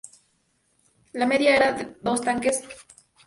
La media era de dos ataques a granjas cada semana.